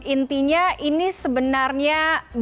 intinya ini sebenarnya banyak